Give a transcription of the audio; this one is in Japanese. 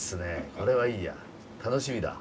これはいいや楽しみだ。